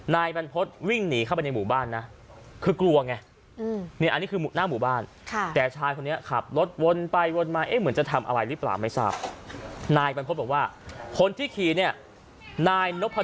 นายบรรพฤษภ์วิ่งหนีเข้าไปในหมู่บ้านนะ